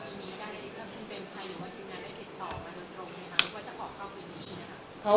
คนชื่อนี้เลยนะ